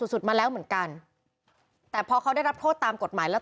สุดมาแล้วเหมือนกันแต่พอเขาได้รับโทษตามกฎหมายแล้ว